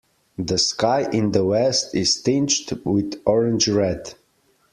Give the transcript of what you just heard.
The sky in the west is tinged with orange red.